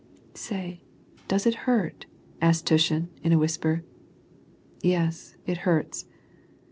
"Say, does it hurt ?" asked Tushin, in a whisper. "Yes, it hurts."